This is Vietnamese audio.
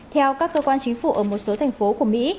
theo các cơ quan chính phủ ở một số thành phố của mỹ